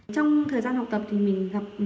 trong thời gian học tập thì mình gặp